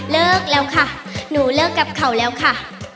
เลิกแล้วค่ะหนูเลิกกับเขาแล้วค่ะ